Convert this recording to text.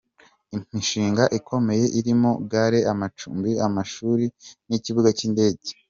Imishinga ikomeye irimo Gare, amacumbi, amashuri n’ikibuga cy’indege.